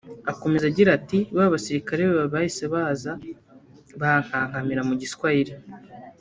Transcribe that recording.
Akomeza agira ati “Ba basirikare babiri bahise baza bankankamira mu giswahili